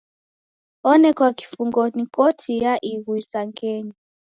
Onekwa kifungo ni Koti ya Ighu Isangenyi.